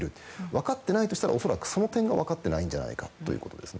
分かっていないとしたら恐らくその辺が分かっていないのではないかということです。